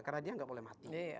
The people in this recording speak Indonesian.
karena dia tidak boleh mati